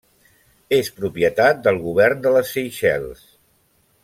És propietat del govern de les Seychelles.